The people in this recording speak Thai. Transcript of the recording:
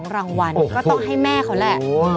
รางวัลก็ต้องให้แม่เขาแหละ